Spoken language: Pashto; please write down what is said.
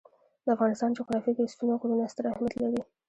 د افغانستان جغرافیه کې ستوني غرونه ستر اهمیت لري.